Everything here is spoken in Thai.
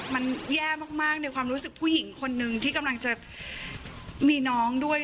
มันแย่มากในความรู้สึกผู้หญิงคนนึงที่กำลังจะมีน้องด้วย